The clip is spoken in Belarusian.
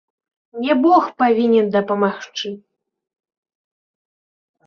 Не, бог павінен дапамагчы.